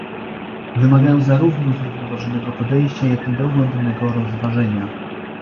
Wymagają zarówno zrównoważonego podejścia, jak i dogłębnego rozważenia